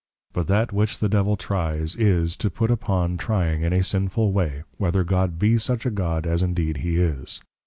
_ But that which the Devil Tries, is, to put us upon Trying in a sinful way, whether God be such a God as indeed he is.